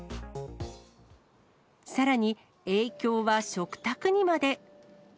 さらに影響は食卓にまで。